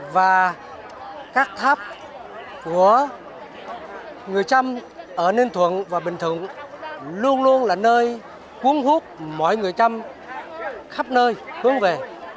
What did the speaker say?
và các tháp của người trăm ở ninh thuận và bình thuận luôn luôn là nơi cuốn hút mọi người trăm khắp nơi hướng về